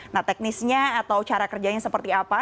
nah teknisnya atau cara kerjanya seperti apa